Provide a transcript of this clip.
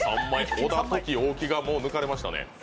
小田、トキ、大木さんが抜かれましたね。